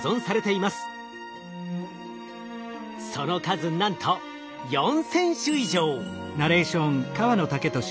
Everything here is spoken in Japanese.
その数なんと４，０００種以上。